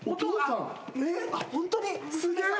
すげえ！